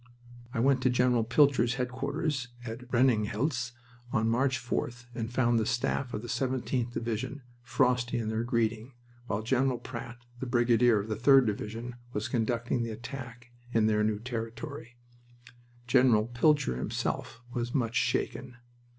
I went to General Pilcher's headquarters at Reninghelst on March 4th, and found the staff of the 17th Division frosty in their greeting, while General Pratt, the brigadier of the 3d Division, was conducting the attack in their new territory. General Pilcher himself was much shaken.